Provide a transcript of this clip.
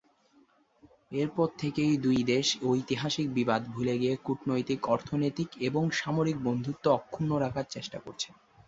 এরপর থেকেই দুই দেশ ঐতিহাসিক বিবাদ ভুলে গিয়ে কূটনৈতিক, অর্থনৈতিক এবং সামরিক বন্ধুত্ব অক্ষুণ্ণ রাখার চেষ্টা করছে।